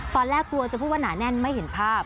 ตอนแรกเกิดว่าหนาแน่นไม่เห็นภาพ